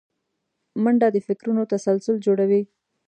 منډه د فکرونو تسلسل جوړوي